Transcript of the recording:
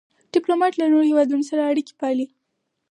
ډيپلومات له نورو هېوادونو سره اړیکي پالي.